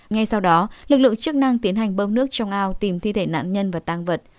ngay sau đó lực lượng chức năng tiến hành bơm nước trong ao tìm thi thể nạn nhân và tăng vật